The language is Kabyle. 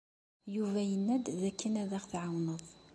Yuba yenna-d dakken ad aɣ-tɛawneḍ.